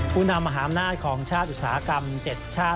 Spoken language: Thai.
ผู้นำมหาอำนาจของชาติอุตสาหกรรม๗ชาติ